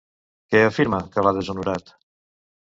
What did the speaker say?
Què afirma que l'ha deshonorat?